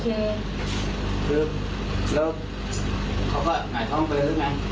อ่าหน้าแดงแล้วเขาก็หายท่องไปแล้วไง